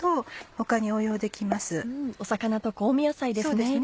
魚と香味野菜ですね。